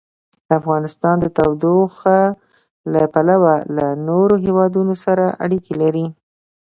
افغانستان د تودوخه له پلوه له نورو هېوادونو سره اړیکې لري.